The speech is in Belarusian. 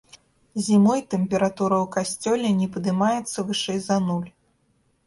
Зімой тэмпература ў касцёле не падымаецца вышэй за нуль.